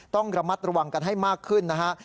ต้องระมัดระวังกันให้มากขึ้นนะฮะ